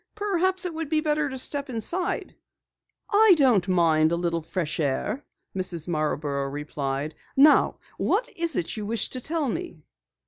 "Perhaps it would be better to step inside." "I don't mind a little fresh air," Mrs. Marborough replied. "Now what is it that you wish to tell me?"